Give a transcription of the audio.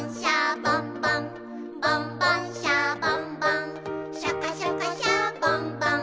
「ボンボン・シャボン・ボンシャカシャカ・シャボン・ボン」